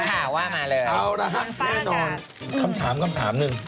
มาหาว่ามาเลยเอาล่ะครับแน่นอนคำถามคำถามหนึ่ง